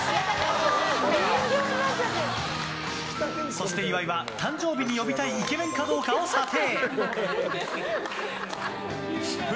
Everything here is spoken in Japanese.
そして岩井は、誕生日に呼びたいイケメンかどうかを査定。